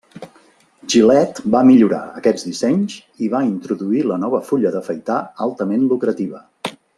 Gillette va millorar aquests dissenys i va introduir la nova fulla d'afaitar altament lucrativa.